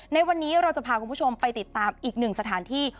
ในวันนี้เราจะพาคุณผู้ชมไปติดตามอีกหนึ่งสถานที่